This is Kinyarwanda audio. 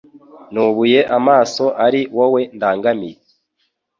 Nubuye amaso ari wowe ndangamiye